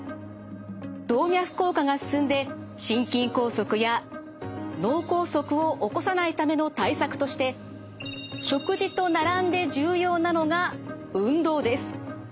動脈硬化が進んで心筋梗塞や脳梗塞を起こさないための対策として食事と並んで重要なのが運動です。